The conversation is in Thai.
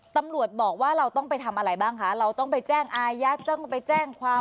ตำรวจบอกว่าเราต้องไปทำอะไรบ้างคะเราต้องไปแจ้งอายัดต้องไปแจ้งความ